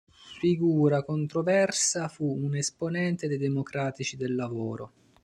Figura controversa, fu un esponente dei democratici del lavoro.